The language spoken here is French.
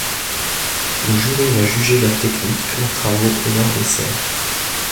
Le jury va juger leurs techniques, leurs travaux et leurs desserts.